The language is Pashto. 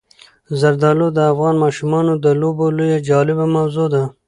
زردالو د افغان ماشومانو د لوبو یوه جالبه موضوع ده.